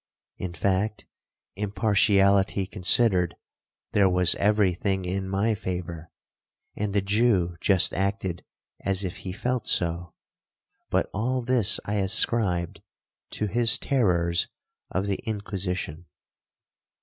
In fact, impartiality considered, there was every thing in my favour, and the Jew just acted as if he felt so,—but all this I ascribed to his terrors of the Inquisition.